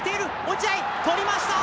落合取りました。